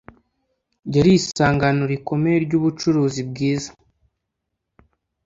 yari isangano rikomeye ry’ubucuruzi bwiza.